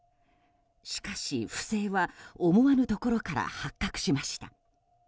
しかし、不正は思わぬところから発覚しました。